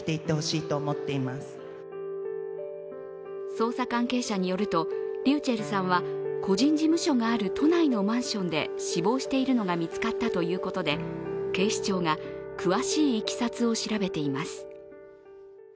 捜査関係者によると、ｒｙｕｃｈｅｌｌさんは個人事務所がある都内のマンションで死亡しているのが見つかったということで警視庁が詳しいいきさつを調べています。